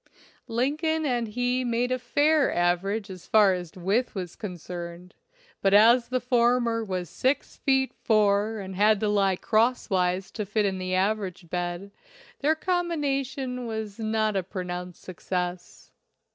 Lin coln and he made a fair average as far as width was concerned, but as the former was six feet four and had to lie crosswise to fit in the average bed, their combination was not a pronounced success.